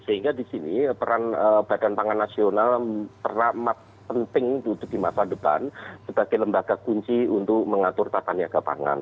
sehingga di sini peran badan pangan nasional teramat penting duduk di masa depan sebagai lembaga kunci untuk mengatur tata niaga pangan